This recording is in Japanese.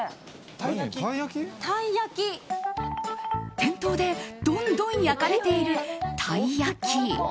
店頭でどんどん焼かれているたい焼き。